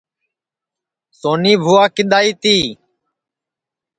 سونی بُھوا کِدؔ آئی تی